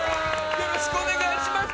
よろしくお願いします。